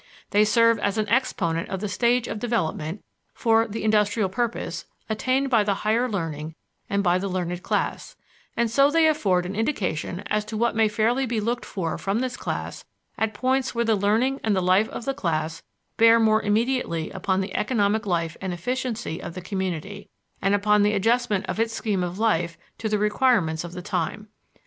They serve as an exponent of the stage of development, for the industrial purpose, attained by the higher learning and by the learned class, and so they afford an indication as to what may fairly be looked for from this class at points where the learning and the life of the class bear more immediately upon the economic life and efficiency of the community, and upon the adjustment of its scheme of life to the requirements of the time.